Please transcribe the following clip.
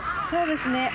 そうですね。